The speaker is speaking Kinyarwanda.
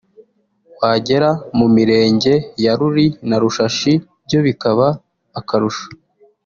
wagera mu mirenge ya Ruli na Rushashi byo bikaba akarusho